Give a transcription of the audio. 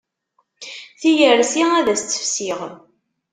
Tiyersi ad as-tt-fsiɣ.